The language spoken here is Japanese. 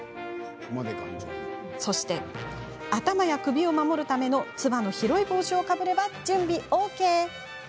そして、頭や首を守るためのつばの広い帽子をかぶれば準備ＯＫ。